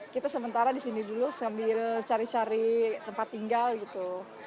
kita sementara di sini dulu sambil cari cari tempat tinggal gitu